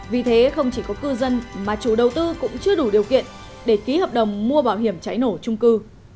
vì thế không chỉ có cư dân mà chủ đầu tư cũng chưa đủ điều kiện để ký hợp đồng mua bảo hiểm cháy nổ trung cư